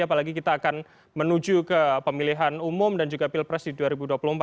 apalagi kita akan menuju ke pemilihan umum dan juga pilpres di dua ribu dua puluh empat